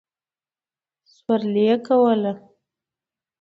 سورلي کوله.